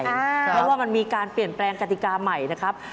เพราะว่ามันมีการเปลี่ยนแปลงกติกาใหม่นะครับ